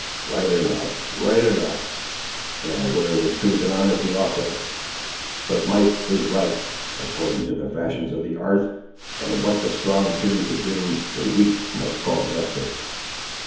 "Right enough—right enough, and where were truth and honesty, also? But might is right, according to the fashions of the 'arth; and what the strong choose to do, the weak must call justice.